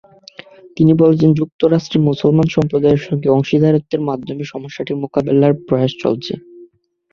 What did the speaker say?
তিনি বলেছেন, যুক্তরাষ্ট্রে মুসলমান সম্প্রদায়ের সঙ্গে অংশীদারত্বের মাধ্যমে সমস্যাটির মোকাবিলার প্রয়াস চলছে।